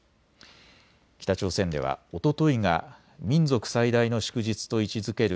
北朝鮮ではおとといが民族最大の祝日と位置づける